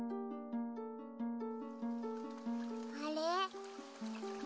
あれ？